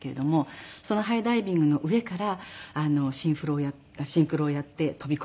そのハイダイビングの上からシンクロをやって飛び込む。